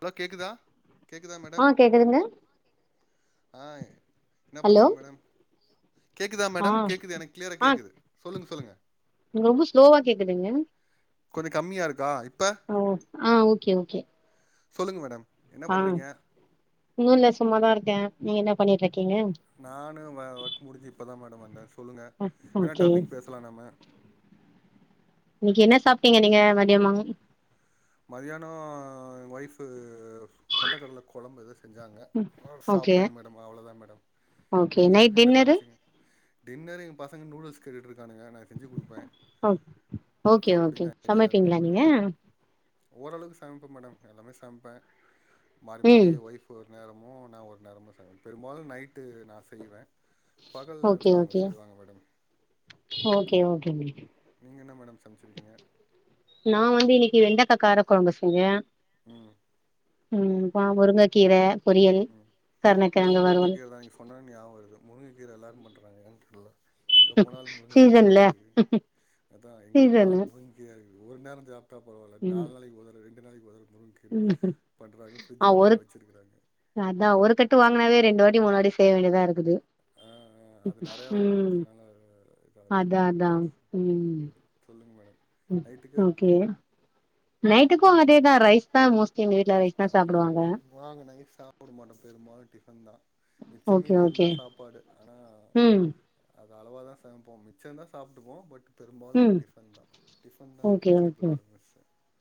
Hello கேக்குதா கேக்குதா ஆ மேடம் கேக்குதுங்க ஆ என்ன ஹலோ பண்றீங்க மேடம் கேக்குதா ஆ மேடம் கேக்குது எனக்கு கிளியரா கேக்குது சொல்லுங்க சொல்லுங்க நீங்க ரொம்ப ஸ்லோவா கேக்குதுங்க கொஞ்ச கம்மியா இருக்கா இப்ப ஓ ஆ ஓகே ஓகே சொல்லுங்க மேடம் என்ன ஆ பண்றீங்க ஒன்னு இல்ல சும்மாதா இருக்க நீங்க என்ன பண்ணிட்டு இருக்கீங்க நானு ஒ ஒர்க் முடிஞ்சு இப்போதா மேடம் வந்த சொல்லுங்க என்ன ஓகே டாப்பிக் பேசலா நம்ப இன்னிக்கு என்ன சாப்ட்டீங்க நீங்க மதியமா மதியானோ ஒய்ஃபு கொண்டக்கடல கொழம்பு எதோ செஞ்சாங்க ஓகே சாப்ட்டேங்க மேடம் அவ்ளோதா மேடம் ஓகே நீங்க நைட் என்ன டின்னரு சமச்சிங்க டின்னர் எங்க பசங்க நூடுல்ஸ் கேட்டுட்ருக்கானுங்க நா செஞ்சு குடுப்ப ஓ ஓகே ஓகேங் இருக்கே சமைப்பீங்களா மேடம் நீங்க ஓரளவுக்கு சமைப்பே மேடம் எல்லாமே சமைப்பே மாறி மாறி ம் ஏ ஒய்ஃப் ஒரு நேரமோ நா ஒரு நேரமோ செய்வ பெரும்பாலு நைட்டு நா செய்வ பகல் ஓகே நேரத்துல அவங்க ஓகே செய்வாங்க மேடம் ஓகே ஓகேங்க நீங்க என்ன மேடம் சமைச்சிருக்கீங்க நா வந்து இன்னிக்கு வெண்டக்கா கார கொழம்பு செஞ்ச ம் ம் இப்ப முருங்கக்கீர பொரியல் கருணக்கெழங்கு வறுவல் இப்பனா ஞாபகம் வருது முருங்கக்கீர எல்லாரு பண்ணுறாங்க ஏன்னு தெர்ல எங்க போனாலு முருங்கக்கீரையா சீசன்ல இருக்குது அதா எங்க போனாலு சீசனு முருங்க கீரையா இருக்குது ஒரு நேர சாப்ட்டா பரவாயில்ல ம் நாலு நாளைக்கு ஒரு தரவ ரெண்டு நாளைக்கு ஒரு தரவ கீர ம் பண்றாங்க ஆ ஃபிரட்ஜ்ல வேற ஒரு வச்சிருக்கிறாங்க அதா ஒரு கட்டு வாங்குனாவே ரெண்டு வாட்டி மூணு வாட்டி செய்ய வேண்டியதா இருக்குது ஆ ஆ அது நெறைய வேற ம் குடுத்துர்றாங்க அது இதா இருக்கு அதா அதா ம் சொல்லுங்க மேடம் ம் நைட்டுக்கு ஓகே நைட்டுக்கு அதேதா ரைஸ் தா மோஸ்ட்லி எங்க வீட்ல ரைஸ் தா சாப்புடுவாங்க நாங்க நைட் சாப் புடமாட்டோ பெரும்பாலு டிஃபன் தா மிச்ச ஓகே மீதி இருந்தா ஓகே சாப்பாடு ஆனா ம் அது அளவா தா சமைப்போ மிச்ச இருந்தா சாப்புடுவோ பட் பெரும்பாலு ம் டிஃபன் தா டிஃபற் தா நம்ம ஓகே ஃபஸ்ட்டு் ஓகே பிரிஃபரன்ஸ்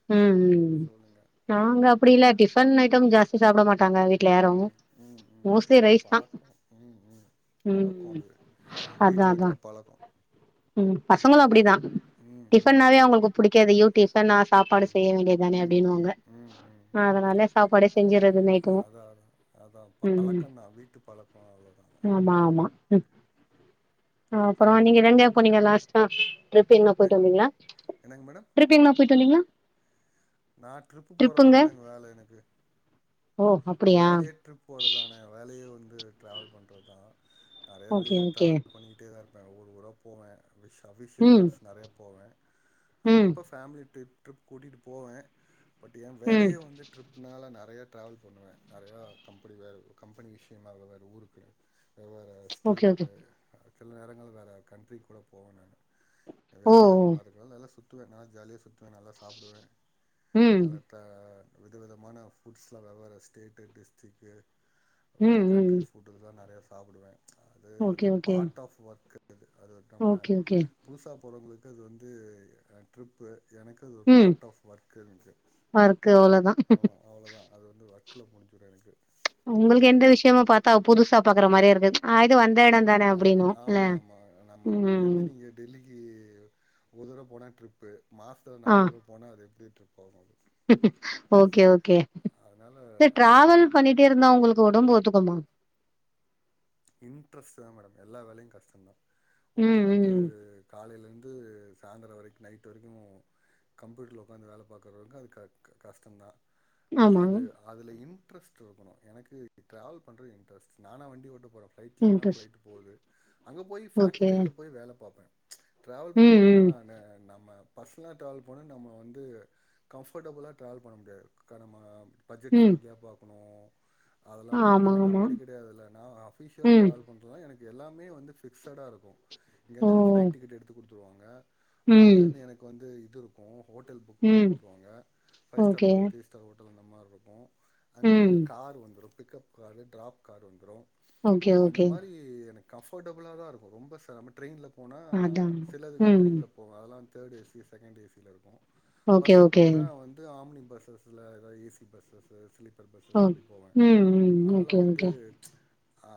ம் ம் நாங்க அப்புறம் அப்டி இல்ல டிஃபன் ஐட்டம் ஜாஸ்தி சாப்புட மாட்டாங்க வீட்ல யாரு ம் ம் ம் ம் மோஸ்ட்லி அது ரைஸ் தா பழக்கோ ம் ம் பழக்கோ ம் அது அதா வீட்ல அதா இருக்கிற பழக்கோ ம் பசங்களு அப்டிதா ம் ம் டிஃபன்னாவே அவங்களுக்கு புடிக்காது ஐயோ டிஃபனா சாப்பாடு செய்ய வேண்டியதானே ம் அப்டின்வாங்க ம் ம் ம் அதனால சாப்பாடே செஞ்சுறது நைட்டும் அதா அதா அதா ம் ம் பழக்கந்தா வீட்டு பழக்கோ அவ்ளோதா ஆமா ஆமா அப்பறோ சொல்லுங்க நீங்க மேடம் எங்க போனிங்க லாஸ்ட்டா ட்ரிப் எங்னா போய்ட்டு என்னங் வந்திங்ளா என்னங்க மேடம் ட்ரிப் எங்னா போய்ட்டு வந்திங்ளா நா ட்ரிப்பு போறர்தா மேடம் எங் வேல எனக்கு ஓ என் அப்படியா வேலயே ட்ரிப் போறதான என் வேலயே வந்து ட்ராவல் பண்றத்தா நெறய ஓகே வெளில ஓகே ட்ராவல் பண்ணிக்கிட்டே தா இருப்பே ஊரு ஊரா போவே அவிஷ் அஃபிஷியல் ம் ட்ரிப்ஸ் நறைய போவே ம் அப்பப்போ ஃபேம்லி ட்ரிப் ட்ரிப் கூட்டிட்டு போவே பட் என் ம் வேலயே வந்து ட்ரிப்னால நெறயா ட்ராவல் பண்ணுவே நெறயா கம்பெனி வேற கம்பனி விஷ்யமா அக வேற ஊருக்குல வெவ்வேற ஓகே ஓகே ஸ்டேட்டுக்கு சில நேரங்கள் வேற கண்ட்ரிக்கு கூட போவே நானு எ ஓ வேலயே ஓ அது மாதிரி தா நல்லா சுத்துவே நா ஜாலியா சுத்துவே நல்லா சாப்டுவே ம் நல்லா தா விதவிதமான ஃபுட்ஸ்லா வெவ்வேற ஸ்டேட்டு டிஸ்ட்ரிக்கு வேற ம் ம் கண்ட்ரி ஃபுட்டுல்லா நெறயா சாப்புடுவே அது ஓகே அது ஓகே பார்ட் ஆஃப் ஒர்க்கு இது அது நம்ம ஓகே ஓகே புதுசா போறவங்ளுக்கு அது வந்து அ ட்ரிப்பு எனக்கு அது ஒரு ம் பார்ட் ஆஃப் ஒர்க்கு எனக்கு ஒர்க்கு அவ்ளோதா ஆமா அவ்ளோதா அது வந்து ஒர்க்ல முடிஞ்சிரு எனக்கு உங்ளுக்கு எந்த விஷ்யமு பாத்தா புதுசா பாக்குற மாரியேருக்காது ஆ இது வந்த எடம் தான ஆமாம் அப்டின்னு இல்ல ம் டெல்லிக்கி ஒர் தடவ போனா ட்ரிப்பு மாஸ்த்ல நாலு தடவ போனா அது எப்டி ட்ரிப் ஆகும் அது ஓக்கே ஓக்கே அதனால் சார் ட்ராவல் பண்ணிட்டேருந்தா உங்ளுக்கு ஒடம்பு ஒத்துக்குமா இன்ட்ரெஸ்ட்டு தா மேடம் எல்லா வேலயு கஷ்டந்தா ம் ஒர்த்தர் வந்து ம் காலைலந்து சாய்ந்தர வரைக் நைட்டு வரிக்கும் கம்ப்யூட்ல உட்காந்து வேல பாக்கறவங்க அது க க கஷ்டம் தா ஆமா அது அதுல இன்ட்ரெஸ்ட் இருக்கணு எனக்கு டிராவல் பண்றது இன்ட்ரெஸ்ட் நானா வண்டி ஓட்ட போறே ஃப்ளைட்ல ஏர்னா இன்ட்ரெஸ்ட் ஃப்ளைட்டு போது அங்க போய் ஓகே ஃபேக்ட்ரில போய் வேல பாப்பே டிராவல் ம் பண்றதுனா ம் நானு நம்ம பஸ்லா ட்ராவல் பண்ணா நம்ம வந்து கம்ஃபர்டபுளா ட்ராவல் பண்ண முடியாது கா நம்ம பட்ஜெட் ம் ஃப்ரெலியா பாக்கணு அதல்லா பாக்கணு ஆமா எனக்கு ஆமா அப்புடி கெடையாதுல்ல நா அஃபிஷியல் ம் டிராவல் பன்றனால எனக்கு எல்லாமே வந்து ஃபிக்சடா இருக்கும் ஓ இங்கந்து எனக்கு ஃபிளைட் டிக்கெட் எடுத்து குடுத்துருவாங்க ம் அங்கருந்து எனக்கு வந்து இது இருக்கும் ஹோட்டல் புக் பண்ணி ம் குடுத்துருவாங்க five star okay hotel three star hotel அந்த மார்ருக்கும் அங்கர்ந்து ம் எனக்கு கார் வந்துரும் பிக்கப் காரு டிராப் காரு வந்துரோ ஓகே அந்த ஓகே மாரி எனக் கம்ஃபர்டபுளாதா இருக்கோ ரொம்ப செரம ட்ரெயின்ல போனா அதா சிலதுக்லா ம் ட்ரெயின்ல போவ அதல்லா தேர்ட் ஏசி செகண்ட் ஏசில இருக்கும் ஓகே ஃபஸ்ல ஓகே போனா வந்து ஆம்னி பஸ்ஸஸ் இல்ல எதாது ஏசி பஸ்ஸஸு ஸ்லீப்பர் ஓ பஸ்ஸஸ் அப்டி போவே ம் ம் அதனாலா ஓகே வந்து ஓகே அ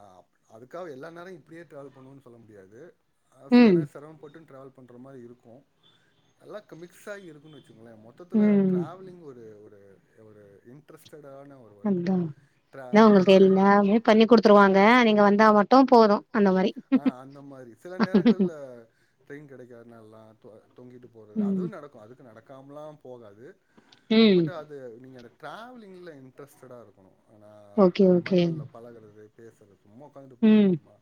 அதுக்காக எல்லா நேர இப்டியே ட்ராவல் பண்ணுவோன் சொல்ல முடியாது சில ம் நேர செரம் பட்டு ட்ராவல் பண்ற மாரி இருக்கும் நல்லா மிக்ஸ் ஆகி இருக்குன் வெச்சுங்ளே மொத் மொத்தத்துல ம் டிராவலிங் ஒரு ஒரு ஒரு இன்ட்ரெஸ்ட்டடான ஒரு ஒர்க். அத்தான் ட்ரா எல்லா இது உங்ளுக்கு வந்து தெரி எல்லாமே பண்ணி குடுத்துருவாங்க நீங்க வந்தா மட்டோ போதும் அந்த மாரி அ அந்த மாரி சில நேரங்கள்ல ட்ரெயின் கெடைக்காத்னால்லா இப்ப தொங்கிட்டு போறது அதுவு ம் நடக்கும் அதுக்கு நடக்காம்லா போகாது ம் பட் அது நீங்க அந்த டிராவலிங்ல இன்ட்ரெஸ்டட்டா இருக்கணு ஆனா ஓகே ஓகே மக்கள்ல பழகுறது பேசுறது சும்மா உட்காந்துட்டு போ ம் முடியுமா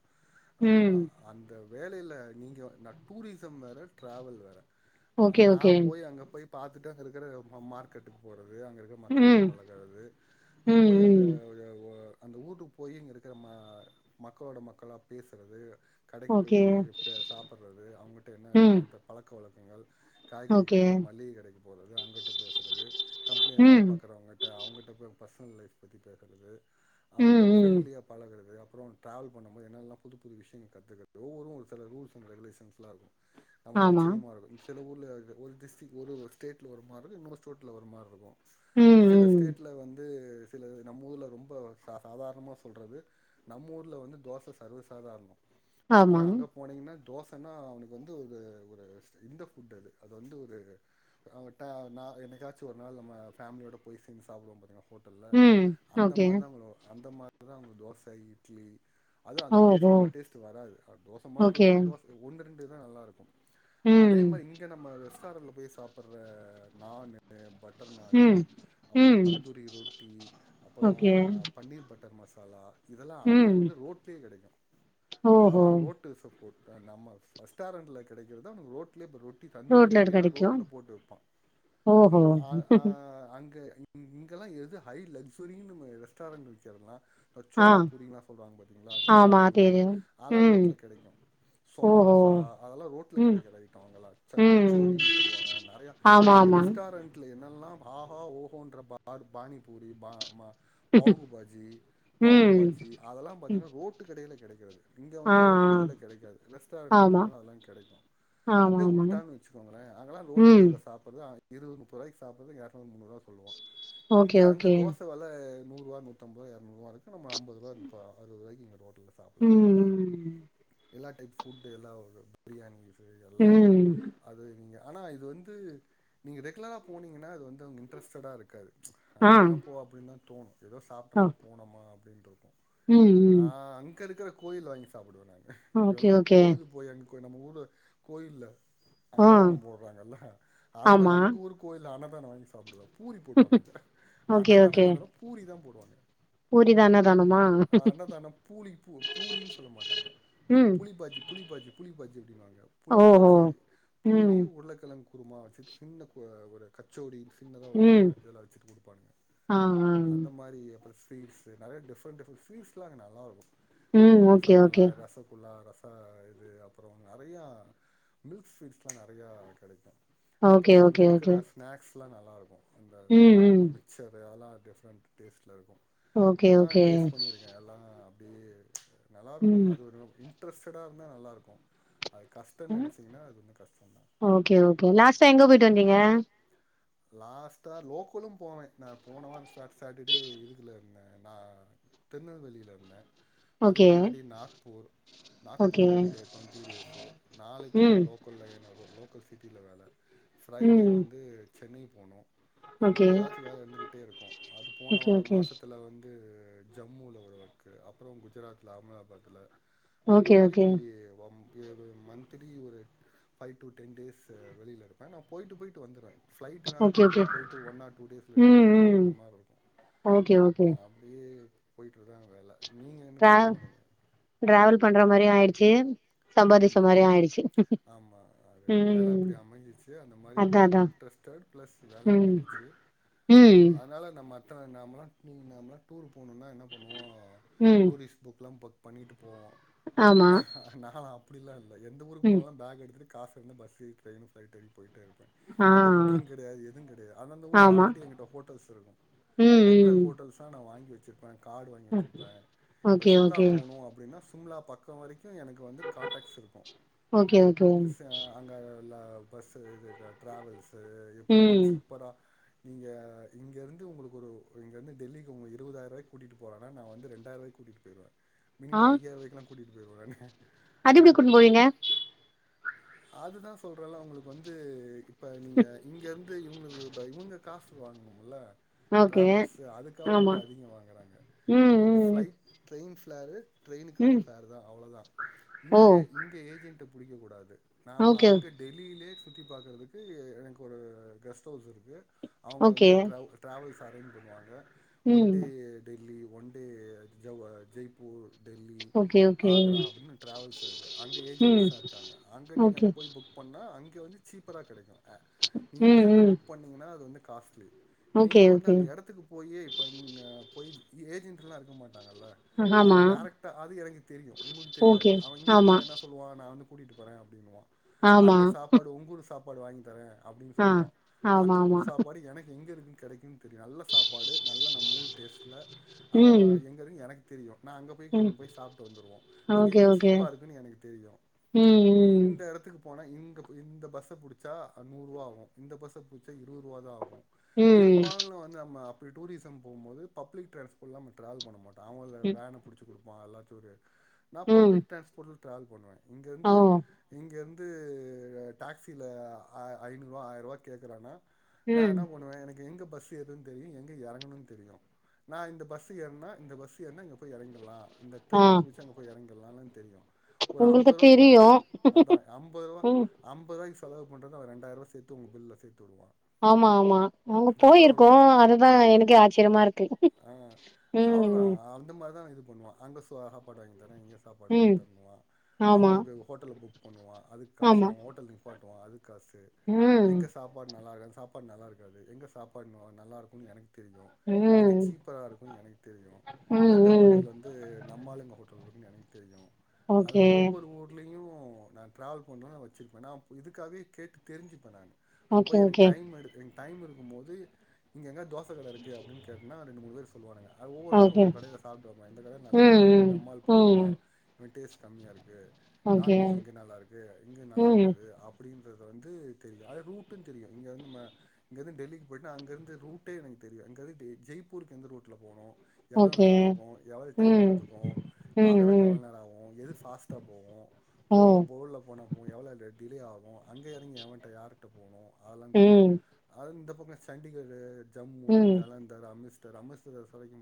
அ ம் அந்த வேலைல நீங்க நா டூரிசம் வேற டிராவல் வேற ஓகே நா ஓகே போய் அங்க போய் பாத்துட்டு அங்க இருக்கிற மார்க்கெட்டுக்கு போறது அங்க இருக்க மக்கள்ட்ட ம் பழகுறது நா ம் போய் அங்க ம் அந்த ஊட்டு போய் இங்க இருக்கிற ம மக்களோட மக்களா பேசுறது கடைக்கு ஓகே போய் சாப்பிறது அவங்கிட்ட என்ன ம் அந்த பழக்கோ வழக்கங்கள் காய்கறி ஓகே கடையில மல்லிக கடைக்கு போறது அங்கிட்டு பேசுறது கம்பெனில வேல ம் பாக்கறவங்கட் க அவங்கிட்ட போய் பர்சனல் லைஃப் பத்தி பேசுறது ம் அவங்ககிட்ட ம் ஃப்ரெண்ட்லியா பழகுறது அப்புறோ டிராவல் பண்ணும்போது என்னனெல்லா புது புது விஷயங்கள் கத்துக்குறது ஒவ்வொரு ஒரு சில ரூல்ஸ் அண்ட் ரெகுலேஷன்ஸ்லா இருக்கு நம்ம ஆமா. ஆச்சரியமா இருக்கு இந்த சில ஊர்ல ஒரு டிஸ்ட்ரிக் ஒரு ஸ்டேட்ல ஒரு மாரி இருக்கு இன்னொரு ஸ்டேட்ல ஒரு மாரி இருக்கு ம், சில ம். ஸ்டேட்ல வந்து நம்ம ஊர்ல ரொம்ப சாதாரணமா சொல்றது நம்ம ஊர்ல வந்து தோசஸ் ஆமா. சர்வசாதாரணோஆனா அங்க போ போனீங்கன்னா தோசன்னா அவனுக்கு வந்து ஒரு ஒரு இந்த ஃபுட் அது அது வந்து ஒரு அவன்ட்ட என்னக்காச்சு ஒரு நாள் நம்ம ஃபேமிலியோட போய் சேந்து சாப்டுவோ பாத்தீங்ளா ஹோட்டல்ல ம். அந்த ஓகே. மாரிதா அவங்க அந்த மாரி தா அவங்க தோச இட்லி அது அந்த டேஸ்ட் ஓஹோ! நம்ம டேஸ்டு வராது ஓகே. தோசமாரிருக்கு தோச ஒன்னு ரெண்டு தா நல்லாருக்கு அதே ம். மாரி இங்க நம்ம ரெஸ்டாரண்ட்ல போய் சாப்பிற நானு பட் பட்டர் நானு ம். அப்புறோ ம். தந்தூரி ரொட்டி அப்புறோ okay. Paneer butter butter masala இதெல்லா ம். அவனுக்கு வந்து ரோட்லயே கிடைக்கு ஓஹோ! அதெல்லா ரோட்டு சஃப்ஃபோர்ட் நம்ம ரஸ்டாரண்ட்ல கிடைக்கிறது அவனுக்கு ரோட்லயே ப்ரூட் தந்தூரி ரோட்ல ரொட்டில்லா கெடைக்கும். ரோட்ல போட்டு விப்பா ஓஹோ! அ அங்க இங்கெல்லா எது ஹை லக்சுரினு நம்ம ரெஸ்டாரன்ட் விக்கிறதுல்லா ஆ. சோலா பூரினு சொல்றாங்க பாரு ஆமா சோலாபூரி தெரியும். அதல்லா ம். ரோட்ல கெடைக்கு ஓஹோ! சொமாசா அதெல்லா ரோட்ல ம். கிடைக்கிற ஐட்டம் அங்கல்லா ம். கச்சோடின்னு சொல்லுவாங்க நிறையா இங்க ஆமாமா. ரெஸ்டா ரெஸ்டாரன்ட்ல என்னெல்லா ஆஹா ஓஹோன்ற பா பாணிபூரி பா பாகு பாஜி பாகு ம். பாஜி அதெல்லா பாத் ம். ரோட்டு கடையில கிடைக்காது இங்க ஆ, ஆ. வந்து ரோட்டு கடையில கிடைக்காது ரெஸ்டாரெண்ட்ல ஆமா. போனாதா அதெல்லா கிடைக்கு அப்டியே ஆமாமா. உள்டான்னு வச்சுக்கோங்களே அங்கல்லா ரோட்டு ம். கடயில சாப்புறது இருபது முப்பது ரூபாய்க்கு சாப்பிட்றது இரணூறு முண்ணூறுவா சொல்லுவா ஓகே, இங்க அந்த ஓகே. தோச வெல நூறுவா நூத்தம்பது இருநூறுவா வரைக்கு நம்ப ஐம்பது அறுபது ரூபாய்க்கி சாப்புலா ம், எல்லா டைப் ஃபுட் எல்லா பிரியாணி இது ம். எல்லா ம். அது நீங்க ஆனா இது வந்து நீங்க ரெகுலரா போனீங்கன்னா அது வந்து அங்க இன்ட்ரெஸ்டட்டா இருக்காது ஆ. என்னப்போ அப்டின்னு தா தோணு ஏதோ ஓ. சாப்ட்டோமா போனோமா அப்டின்ருக்கு ம், நா ம். அங்கருக்ற கோயில வாங்கி சாப்பிடுவே நானு ஓகே இதெல்லா ஓகே பொழுது போய் அங்க நம்ம ஊர்ல கோயில்ல ஆ அன்னதானோ போடுறாங்கல்ல அது மாரி ஆமா அங்கு ஊருக்கு கோயில அன்னதானோ வாங்கி சாப்பிடுவே பூரி போடுவாங்க அங்க அன்னதான என்ன பூரி தா போடுவாங்க ஊரி தா அன்னதானமா அன்னதானோ பூலிபு பூரினு சொல்ல மாட்டாங்க ம் புலி பாஜி புளி பாஜி புளி பாஜி அப்படினுபாங்க புலி ஓஹோ பஜி பூரி ம் உருளக்கெழங்கு குருமா வச்சு சின்ன ஒரு கச்சோடி சின்னதா ஒருப்ப ம் இதெல்லா வச்சுட்டு கொடுப்பானுங்க ஆ ஆ அந்த மாரி சீட்ஸு நிறைய டிஃபெரென்ட் டிஃபெரென்ட் சீட்ஸ்லா நல்லாருக்கு ம் நம்ம ஓகே ரசமலா ஓகே ரசகுல்லா ரச ஆ இது அப்புறோ நெறையா மில்க் ஸ்வீட்ஸ்லா நெறையா கிடைக்கு ஓகே அப்புறோ ஓகே அங்கருக்கிற ஓகே ஸ்நக்ஸ்லா நல்லாயிருக்கும் அந்த ம் ம் அந்த மிச்சர்ல்லா டிஃப்ரெண்ட் டேஸ்ட்லருக்கு ஓகே எல்லா ஓகே டேஸ்ட் பண்ணியிருக்கே எல்லா அப்படி நல்லாருக்கும் ம் அது ஒரு இன்ரெஸ்ட்டடாருந்தா நல்லாருக்கு அங் காஸ்ட் ஓகே ஓகே லாஸ்ட்டா எங்க போயிட்டு வந்தீங்க லாஸ்ட்டா லோக்கலும் போவே நான் போனவாரோ சட்டர்டே இதுக்குல இருந்தே நா திருநெல்வேலிலருந்தே ஓகே அதுக்கு முன்னாடி நாக்பூர் ஓகே நாக்பூர்ல ஒரு டுவெண்டி டேசூ நாளைக்கு இங்க ம் லோ லோக்கல்ல ஏனரு லோக்கல் சிட்டியில வேல ஃப்ரைடே ம் வந்து சென்னை போனோ அது ஓகே மாதி ஏதாச்சு வேல இருந்துடே இருக்கு அது போன ஓகே வா ஓகே மாசத்துல வந்து இந்து ஜம்முல ஒரு வொர்க் அப்புறோ குஜராத்ல்ல அகமதாபாத்ல்ல அந்த ஓகே மாரி ஓகே வம் [unintelligible] மந்த்லி ஒரு ஃபைவ் டு டென் டேஸ் வெளியிருப்பே நா போய்ட்டு போய்ட்டு வந்துர்வே ஃப்ளைட்டுனால ஓகே ஓகே டக்குன்னு போயிட்டு ஒன் ஆர் டூ டேஸ் லட்டன் ம் வந்துய்வே ம் அந்த மாரி இருக்கு ஓகே ஓகே ஆம் அப்டியே போய்ட்டுரு தா வேல நீங்க என்ன ட்ரிப் போனீங்க ட்ராவல் பண்ற மாதிரியு ஆயிடுச்சு ஆமா சம்பாதிச்ச மாரியு ஆயிடுச்சு ஆமா அது வேல ம் அப்டி அமைஞ்சிச்சு அந்த மாரி அதா இப்ப அதா வின்ட்ரஸ் தேர்ட் பிளஸ் வேல ம் அமைஞ்சச்சு ம் அதனால நம்ம அத்தன நாமலா நீங்க நாமலா டூர் போனுனா என்ன பண்ணுவோ ம் டூரிஸ் புக்லா புக் பண்ணிட்டு போவோ ஆமா நா அப்டிலா இல்ல எந்த ஊருக்கு ம் போனாலு பேக் எடுத்துட்டு காசு இருந்த பஸ்சு ட்ரைனு ஃப்ளைட் ஏறி போயிட்டே இருப்பே ஆ எந்த புக்கிங் கிடையாது எது கிடாயா அந்த அந்த ஊர்ல ஆமா ஆல்ரெடி எங்கிட்ட ஹோட்டல்ஸ்ருக்கு ம் ம் நா நா வாங்கி வச்சிருப்பே கார்டு வாங்கி ம். வச்சிருப்பே ஓகே இப்பஸசிம்லா ஓகே போனு அப்டின்னா சிம்லா பக்கோ வரைக்கு எனக்கு வந்து கான்டாக்ஸ்ருக்கு ஓகே ஓகே சுஅ அங்கேஉள்ள பஸ்ஸு இது ட்ராவல்ஸு எப்டின்னு ம் சீப்பரா நீங்க இங்கிருந்து உங்களுக்கு ஒரு இங்கிருந்து டெல்லிக்கு உங்க இருவதாயிர ரூபாக்கு கூட்டிட்டு போறேன்னா நா வந்து ரெண்டாயிர ரூபாய்க்கு கூட்டிகிட்டு போயிருவே ஆ மினிமம் ஐய்யாரூவாய்களாம் கூட்டிட்டு போயிருவே நானு அது எப்டி கூட்னு போவீங்க அதுதா சொல்றேல அவுங்களுக்கு வந்து இப்ப நீங்க இங்க இருந் து இவுங்களுக்கு இப்ப இவுங்க காசு வாங்ணுமுல்ல ஓகே டிரவல்ஸ் அதுக்காக ஆமா மட்டு அதிகோ வாங்குறாங்க ம் நீங்க ம் ஃபிளைட் ட்ரைனு ஃபிளாரு ட்ரெயினுக்கான ம் ஃபார் தா அவ்ளவுதா ஓ இங்க இங்க ஏஜென்ட பிடிக்க கூடாது நாம ஓகே அங்க டெல்லியிலே சுத்தி பாக்கறதுக்கு எனக்கு ஒரு கெஸ்ட் ஹவுஸ் இருக்கு அவுங்க ஓகே வந்து ட்ராவல் டிராவல்ஸ் அரேஞ்ச் பண்ணுவாங்க ஒன் ம் டே டெல்லி ஒன் டே ஜவ் அ Jaipur Delhi okay okay Agra அப்டின்னு ட்ராவல்ஸ் இருக்கு அங்க ம் ஏஜென்ஸ்தா இர்க்காங்க அங் நீங்க ஓகே அங்க போய் புக் பண்ணா அங்க வந்து சீப்பரா கிடைக்கு அ இங்க ம் இருந்து ம் புக் பண்ண ன்னா அது வந்து காஸ்ட்லி ஓகே நீங்க வந்து ஓகே அந்த எடத்துக்கு போயி இப்ப இங்க போய் ஏஜென்டலாம் இருக்க மாட் டாங்கள அங்க ஆமா டேரக்டா அது எனக்கு தெரியு உங்களுக்கு தெரியாது ஓகே அவ இங்க ஆமா இருக்கவ என்ன சொ சொல்லுவா நா வந்து கூட்டிட்டு போறே அப்டின்னுவா ஆமா அந்த சாப்பாடு உங்கூரு சாப்பாடு வாங்கி தரே அப்டின்னு ஆ சொல்லுவா ஆமா அந்த ஊரு ஆமா சாப்பாடு எனக்கு எங்க இருக்குன்னு கெடைக்கு தெரியு நல்ல சாப்பாடு நல்ல நம் ஊர் டேஸ்ட்ல அவுவ ம் எங்கருக் எனக் தெரியு நா அங்கே போய்டு ம் போய் சாப்பிட்டு வந்துடுவோ அங்கே ஓகே எங்க ஓகே சீப்பா இருக்குதுன்னு எனக்கு தெரியு ம் ம் இந்த எடத்துக்கு போனா இந்த இந்த பஸ்ச புடிச்சா நூறு ரூபா ஆகு இந்த பஸ் புடிச்சா இருவதுருவா தா ஆகு ம் பிரும்பாலுல வந்து நம்ம அப்டி டூரிசம் போம்போது பப்ளிக் டிரான்ஸ்போட்ல நம்ம ட்ராவல் பண்ண மாட் அவுங்களக்காக ம் தா நா புடிச்சி குடுப்பா எல்லா டூரு நா ம் பப்ளிக் ட்ரான்ஸ்போர்ட்ல ட்ராாவல் பண்ணுவே இங்க ஓ இருந்து இங்கெருந்து டேக்சில அ ஐநூறுவா ஆயிரூவா கேக்றானா நா ம் என்னா பண்ணுவ எனக்கு எங்க பஸ் எதுனு தெரியு எங்க எறங்கணு தெரியு நா இந்த பஸ் ஏறனா இந்த பஸ் ஏறுன இங்க போய் எறங்கலா இந்த ஆ ட்ரெயின புடிச்சி அங்க போய் எறங்கிர்ல்லானு தெரியு ஒரு உங்களுக்கு அம்போரூபா குடுத்து தெரியு போற அதா ஐம்பருவா ம் ஐம்பருவாக்கு செலவு பண்றது அவ ரெண்டாயருவா சேத்து உங்க பில்ல சேத்து உடுவா ஆமா ஆமா அங்க போயிருக்கோ அதுதா ம் எனக்கே ஆச்சரியமா இருக்கு ஆ ம் அவ்ளோதா ம் அந்த மாரிதா நா இது பண்ணுவா அங்க சோ சாப்பாடு வாங்கி தர இங்க சாப்பாடு வாங்கி ம் தரன்னுவா அவ ஆமா ஒரு ஹோட்டல்ல ஃபு போவா அதுக்காசு ஆமா அவ ஹோட்டல நிப்பாட்டுவா அதுக்காசு ம் எங்க சாப் பாடு நல்லா இருக்காது சாப்பாடு நல்லாக்காது எங்க சாப்பாடு நல் நல்லாயிருக்கும்ன்னு எனக்கு தெரியும் எங்க ம் சீப்பரா இருக்குன் எனக்கு தெரியு ம் எந்த ம் ஹோட்டெல்லர்ந் ந்து நம்மாளுங்க ஹோட்டெல் வருன் எனக் தெரியு அது ஓகே மாரி ஒவ்வொரு ஊர்லேயு நான் ட்ராவல் பண்றவே வெச்சுருப்பே நா இப் இதுக்காகவே கேட்டு தெரிஞ்சுப்பே நானு அங்க ஓகே போயி எனுக்கு ஓகே டைம் எடுக்குங் டைம் இருக்குமோது இங்க எங்யாது தோச கட இருக்கு அப்டின் கேட்னா ரெண்டு மூணு பேர் சொல்லுவானுங்க அது ஒவ்வொரு நாளு ஓகே ஒவ்வொரு கடையில சாப்ட்டுவாங்க எந்த கடையில ம் நல்லாருக்குது ம் நம்மாள் போட்டிருக்கா ம் டுவென்டியேன் கம்மியாருக்கு ஓகே நல்லாருக்கு இங்க ம் நல்லாருக்காது அப்டின்றத வந்து தெரியு அதா ரூட்டு தெரியு இங்க வந்து ம இங்க இருந்து டெல்லிக்கு போயிட்டா அங்க இருந்து ரூட்டே எனக்கு தெரியா இங்க இருந்துட்டு ஜெய்ப்பூருக்கு எந்த ரூட்ல போனு எவ்ளோ ஓகே நேரொ ஆகு எவ்ளோ டைம் ம் எடுத்துக்கு ம் ஆகராக்கு ம் எவ்ளோ நேரோ ஆகு எது ஃபாஸ்ட்டா போவு ஓ ப்ரோ போல்ல போன போ எவ்ளோ டிலே ஆகு அங்கே எறங்கி எவன்டா யார் ட்ட போனு அதெல்லா தெரியு ம் அது இந்த பக்கோ சண்டிகரு ஜம்மு ம் ஜலாந் டாரு அமிஸ்டர் அம்மிஸ்தர் [unintelligible]